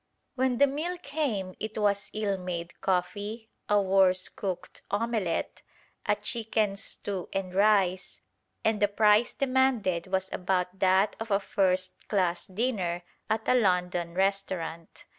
When the meal came, it was ill made coffee, a worse cooked omelette, a chicken stew and rice, and the price demanded was about that of a first class dinner at a London restaurant.